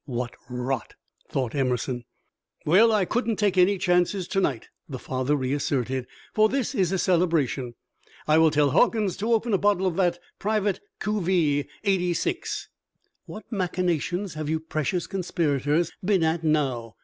"What rot!" thought Emerson. "Well, I couldn't take any chances to night," the father reasserted, "for this is a celebration. I will tell Hawkins to open a bottle of that Private Cuvee, '86." "What machinations have you precious conspirators been at now?"